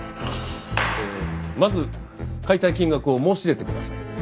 えーまず買いたい金額を申し出てください。